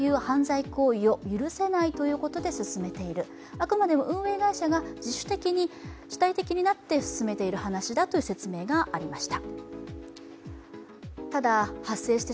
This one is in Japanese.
あくまでも運営会社が、自主的に主体的になって進めている話だという説明がありました。